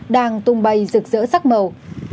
đang tung bay rực rỡ sắc màu